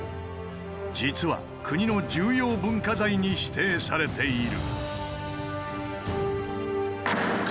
実は国の重要文化財に指定されている。